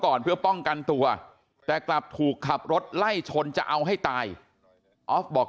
ก่อนเพื่อป้องกันตัวแต่กลับถูกขับรถไล่ชนจะเอาให้ตายออฟบอก